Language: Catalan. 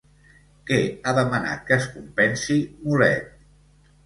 Què ha demanat que es compensi Mulet?